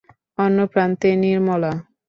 অন্য প্রান্তে নির্মলা।